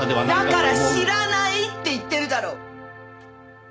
だから知らないって言ってるだろ！